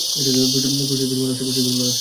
প্রচুর ভিড় মানুষের।